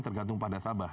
tergantung pada sabah